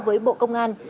với bộ công an